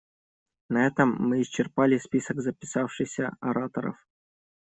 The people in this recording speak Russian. На этом мы исчерпали список записавшихся ораторов.